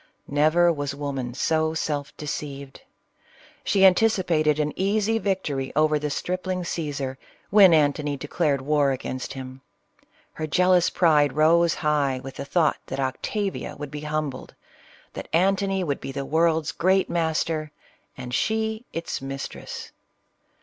Never was woman so self deceived. She an ticipated an easy victory over the stripling Caesar, when Antony declared war against him. Her jealous pride rose high with the thought that Octavia would be humbled, — that Antony would be the world's great master, and she its mistress.